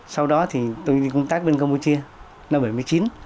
sau đó thì tôi đi công tác bên campuchia năm bảy mươi chín